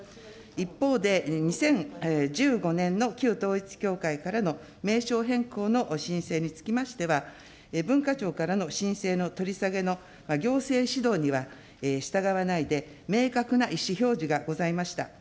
一方で、２０１５年の旧統一教会からの名称変更の申請につきましては、文化庁からの申請の取り下げの行政指導には従わないで、明確な意思表示がございました。